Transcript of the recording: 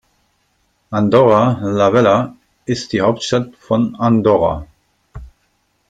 Andorra la Vella ist die Hauptstadt von Andorra.